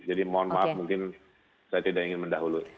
jadi mohon maaf mungkin saya tidak ingin mendahului